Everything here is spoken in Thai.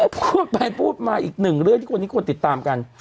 พูดไปพูดมาอีกหนึ่งเรื่องที่คนนี้คนติดตามกัน